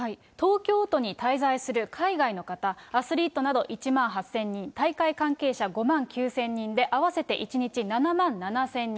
東京都に滞在する海外の方、アスリートなど１万８０００人、大会関係者５万９０００人で合わせて１日７万７０００人。